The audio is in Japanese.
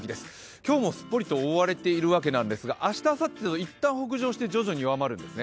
今日もすっぽりと覆われているわけなんですが明日あさってといったん北上して弱まるんですね。